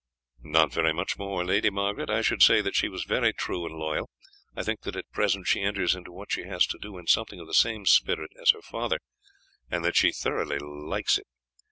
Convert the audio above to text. "Not very much more, Lady Margaret. I should say that she was very true and loyal. I think that at present she enters into what she has to do in something of the same spirit as her father, and that she thoroughly likes it.